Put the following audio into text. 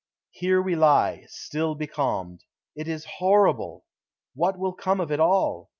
Here we lie, still becalmed. It is horrible! What will come of it all?